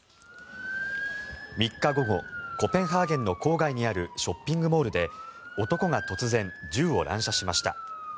３日午後コペンハーゲンの郊外にあるショッピングモールで男が突然、銃を乱射しました。